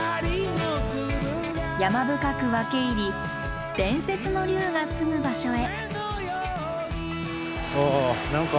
山深く分け入り伝説の竜がすむ場所へ。